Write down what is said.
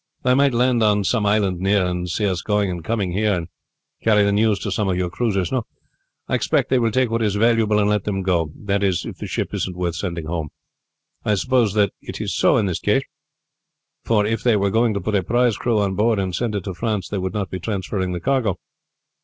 They might land on some island near and see us going and coming here, and carry the news to some of your cruisers. No, I expect they will take what is valuable and let them go that is if the ship isn't worth sending home. I suppose that is so in this case; for if they were going to put a prize crew on board and send it to France, they would not be transferring the cargo.